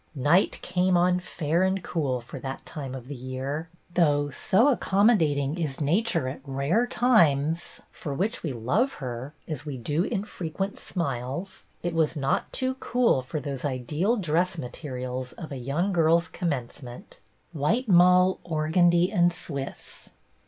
Night came on fair and cool for that time of the year, though, so accommodating is nature at rare times — for which we love her as we do infrequent smiles — it was not too cool for those ideal dress materials of a young girl's commencement — white mull, organdie, and Swiss.